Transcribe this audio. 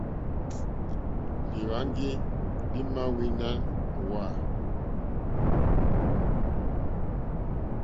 Lîhwáŋgí lì mà wíná hwá.